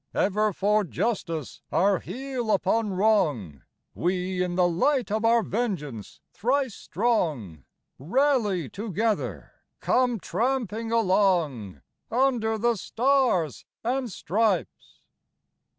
Ever for justice, our heel upon wrong, We in the light of our vengeance thrice strong! Rally together! Come tramping along Under the stars and stripes!